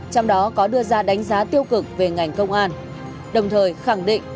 trong đó có đưa ra đánh giá tiêu cực về ngành công an đồng thời khẳng định